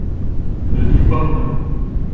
Ne dis pas mon nom.